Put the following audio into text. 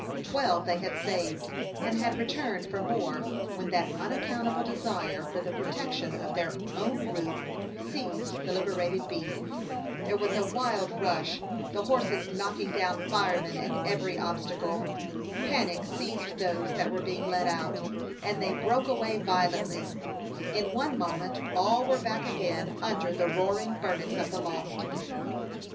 Twelve they had saved and had returned for more when that unaccountable desire for the protec tion of their own roof seized the liberated beasts. There was a Wild rush, the horses knocking down firemen and every obstacle. Panic seized those that were being led out, and they broke away violently ; in one moment all were back again under the roaring furnace of the loft.